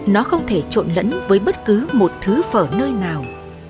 nó không thể trộn lẫn với bất cứ một thứ phở nơi nào